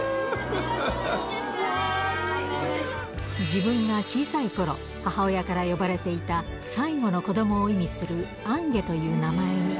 自分が小さいころ、母親から呼ばれていた最後の子どもを意味する、アンゲという名前に。